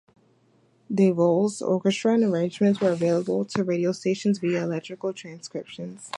De Vol's orchestra and arrangements were available to radio stations via electrical transcriptions.